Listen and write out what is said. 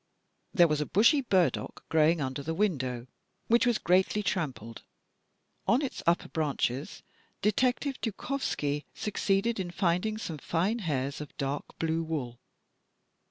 There was a bushy burdock growing under the window, which was greatly trampled. On its upper branches, Detective Dukovski succeeded in finding some fine hairs of dark blue wool.